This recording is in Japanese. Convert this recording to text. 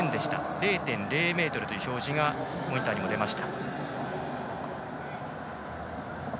０．０メートルという表示がモニターにも出ました。